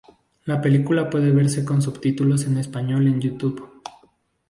La película puede verse con subtítulos en español en Youtube.